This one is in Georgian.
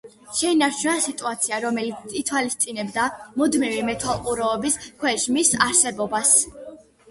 შეინარჩუნა სიტუაცია, რომელიც ითვალისწინებდა „მუდმივი მეთვალყურეობის“ ქვეშ მის არსებობას.